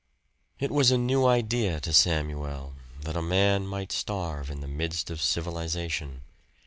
It was a new idea to Samuel, that a man might starve in the midst of civilization.